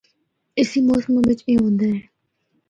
اِسّی موسماں بچ اے ہوندا اے۔